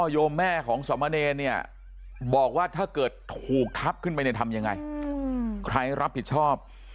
โยมแม่ของสมเนรเนี่ยบอกว่าถ้าเกิดถูกทับขึ้นไปเนี่ยทำยังไงใครรับผิดชอบ